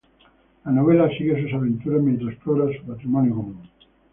La novela sigue sus aventuras mientras exploran su patrimonio común.